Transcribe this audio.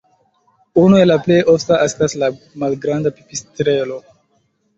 Unu el la plej oftaj estas la malgranda Pipistrelo.